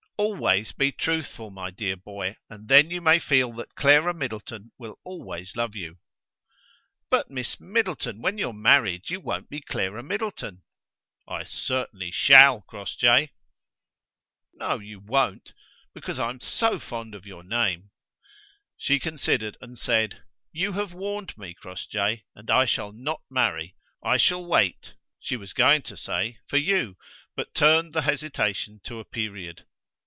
"Always be truthful, my dear boy, and then you may feel that Clara Middleton will always love you." "But, Miss Middleton, when you're married you won't be Clara Middleton." "I certainly shall, Crossjay." "No, you won't, because I'm so fond of your name!" She considered, and said: "You have warned me, Crossjay, and I shall not marry. I shall wait," she was going to say, "for you," but turned the hesitation to a period.